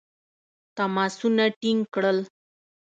تماسونه ټینګ کړل.